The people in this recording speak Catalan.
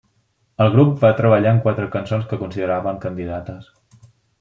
El grup va treballar en quatre cançons que consideraven candidates.